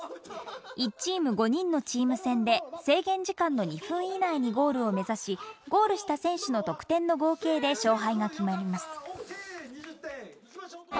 １チーム５人のチーム戦で、制限時間の２分以内にゴールを目指し、ゴールした選手の得点の合計で勝敗が決まります。